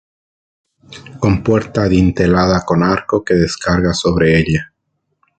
Con puerta adintelada con arco que descarga sobre ella.